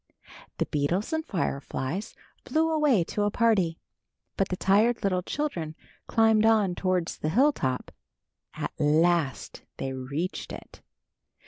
The beetles and fireflies flew away to a party. But the tired little children climbed on towards the hilltop. At last they reached it.